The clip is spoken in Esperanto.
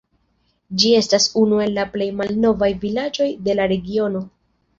Ĝi estas unu el la plej malnovaj vilaĝoj de la regiono.